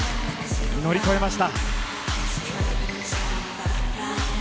乗り越えました。